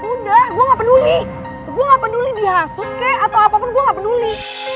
udah gue gak peduli gue gak peduli dihasut kek atau apapun gue gak peduli